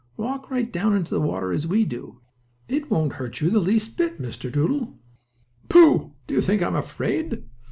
"Walk right down into the water as we do. It won't hurt you the least bit, Mr. Doodle." "Pooh! Do you think I'm afraid?"